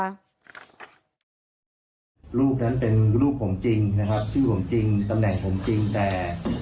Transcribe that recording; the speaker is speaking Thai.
ลูกนั้นเป็นลูกผมจริงนะครับชื่อผมจริงตำแหน่งผมจริงแต่